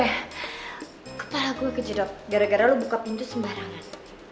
eh kepala gue kejedok gara gara lu buka pintu sembarangan